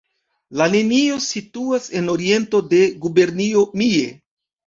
La linio situas en oriento de Gubernio Mie.